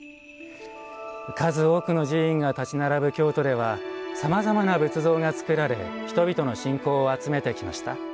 数多くの寺院が建ち並ぶ京都ではさまざまな仏像が造られ人々の信仰を集めてきました。